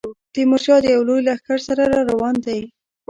تیمورشاه د یوه لوی لښکر سره را روان دی.